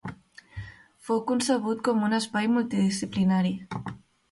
Fou concebut com un espai multidisciplinari.